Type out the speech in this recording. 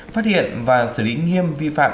phát hiện và xử lý nghiêm vi phạm